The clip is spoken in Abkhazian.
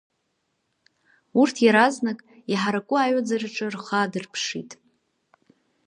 Урҭ иаразнак иҳараку аҩаӡараҿы рхы аадырԥшит.